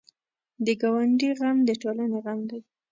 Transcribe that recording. د ګاونډي غم د ټولنې غم دی